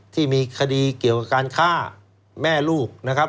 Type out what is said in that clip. ที่มีคดีเกี่ยวกับการฆ่าแม่ลูกนะครับ